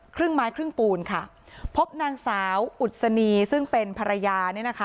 ครึ่งไม้ครึ่งปูนค่ะพบนางสาวอุศนีซึ่งเป็นภรรยาเนี่ยนะคะ